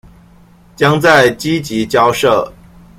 將再積極交涉